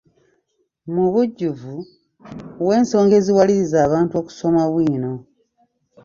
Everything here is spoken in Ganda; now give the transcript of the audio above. Mu bujjuvu, wa ensonga eziwaliriza abantu okusoma bwino.